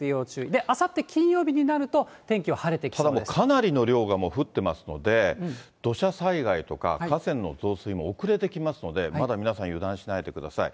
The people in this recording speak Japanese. で、あさって金曜日になると、ただもう、かなりの量が降ってますので、土砂災害とか、河川の増水も遅れてきますので、まだ皆さん、油断しないでください。